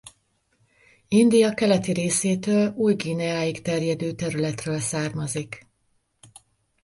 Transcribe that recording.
India keleti részétől Új-Guineáig terjedő területről származik.